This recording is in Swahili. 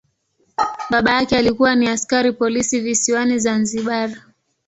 Baba yake alikuwa ni askari polisi visiwani Zanzibar.